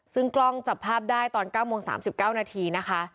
ซึ่งกล้องจับภาพได้ตอน๙โมง๓๙นาทีนะคะ